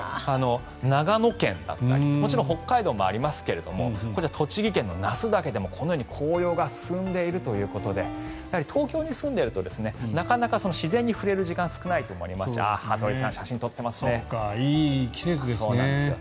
長野県だったりもちろん北海道もありますが栃木県の那須岳でも紅葉が進んでいるということで東京に住んでいるとなかなか自然に触れる時間が少ないと思いますしいい季節ね。